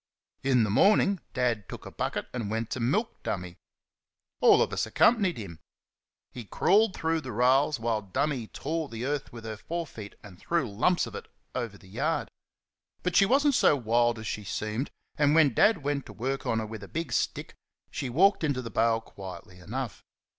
In the morning Dad took a bucket and went to milk "Dummy." All of us accompanied him. He crawled through the rails while "Dummy" tore the earth with her fore feet and threw lumps of it over the yard. But she was n't so wild as she seemed, and when Dad went to work on her with a big stick she walked into the bail quietly enough.